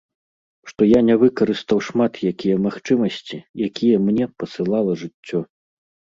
Што я не выкарыстаў шмат якія магчымасці, якія мне пасылала жыццё.